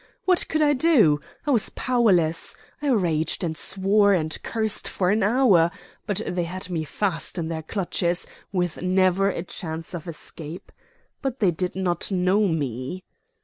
What could I do? I was powerless. I raged and swore, and cursed for an hour; but they had me fast in their clutches, with never a chance of escape. But they did not know me."